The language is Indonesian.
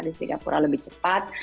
di singapura lebih cepat